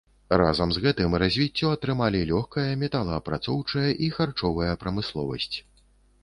Разам з гэтым развіццё атрымалі лёгкая, металаапрацоўчая і харчовая прамысловасць.